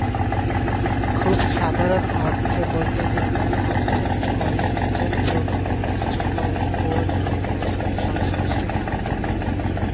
খুব সাধারণ অর্থে বলতে গেলে, অবজেক্ট ওরিয়েন্টেড প্রোগ্রামিং কাজ করে কোড এবং তার সাথে সংশ্লিষ্ট ডাটা নিয়ে।